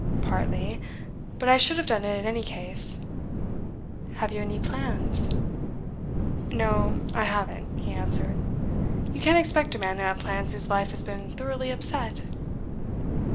'Partly. But I should have done it in any case.' 'Have you any plans?' 'No, I haven't,' he answered. 'You can't expect a man to have plans whose life has been thoroughly upset.